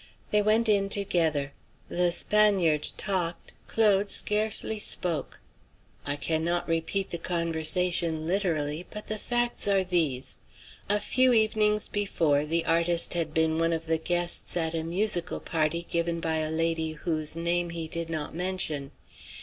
They went in together. The Spaniard talked; Claude scarcely spoke. I cannot repeat the conversation literally, but the facts are these: A few evenings before, the artist had been one of the guests at a musical party given by a lady whose name he did not mention.